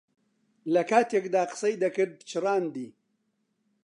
لەکاتێکدا قسەی دەکرد پچڕاندی.